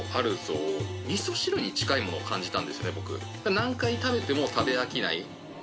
何回食べても食べ飽きない。